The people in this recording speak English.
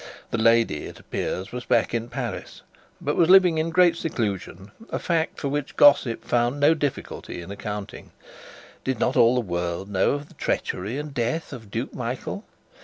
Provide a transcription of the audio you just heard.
The lady, it appeared, was back in Paris, but was living in great seclusion a fact for which gossip found no difficulty in accounting. Did not all the world know of the treachery and death of Duke Michael?